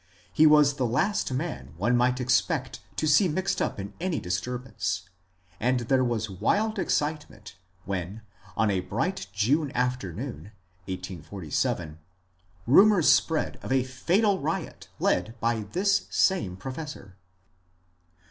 He was the last man one might expect to see mixed up in any disturbance, and there was wild excitement when on a bright June afternoon (1847) rumours spread of a fatal riot led by this same professor